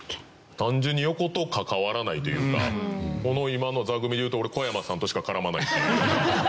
単純に横と関わらないというかこの今の座組で言うと俺小山さんとしか絡まないっていう。